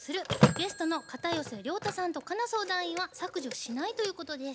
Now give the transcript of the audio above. ゲストの片寄涼太さんと佳奈相談員は「削除しない」ということです。